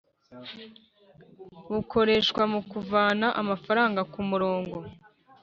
Bukoreshwa mu kuvana amafaranga ku murongo